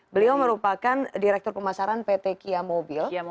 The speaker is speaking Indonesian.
beliau merupakan direktur pemasaran pt kia mobil